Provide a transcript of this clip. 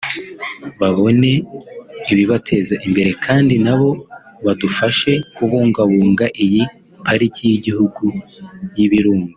babone ibibateza imbere kandi nabo badufashe kubungabunga iyi Pariki y’Igihugu y’Ibirunga